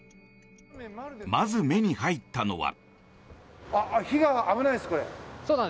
まず目に入ったのは。